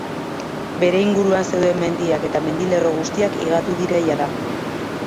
Bere inguruan zeuden mendiak eta mendilerro guztiak higatu dira jada.